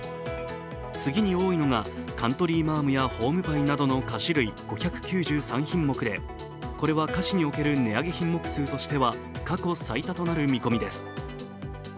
次に多いのがカントリーマアムやホームパイなどの菓子類５９３品目でこれは菓子に置ける値上げ品目数としては過去最多となる見込みです。